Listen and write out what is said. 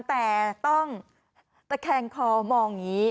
แต่ต้องตะแคงคอมองอย่างนี้